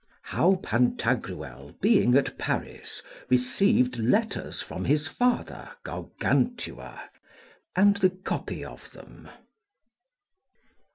How Pantagruel, being at Paris, received letters from his father Gargantua, and the copy of them.